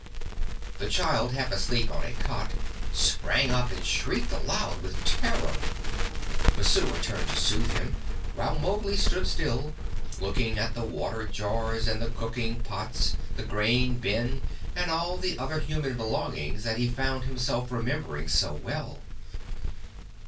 The child half asleep on a cot sprang up and shrieked aloud with terror. Messua turned to soothe him, while Mowgli stood still, looking in at the water jars and the cooking pots, the grain bin, and all the other human belongings that he found himself remembering so well.